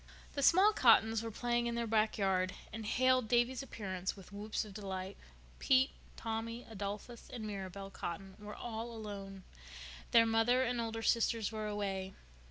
The small Cottons were playing in their back yard, and hailed Davy's appearance with whoops of delight. Pete, Tommy, Adolphus, and Mirabel Cotton were all alone. Their mother and older sisters were away.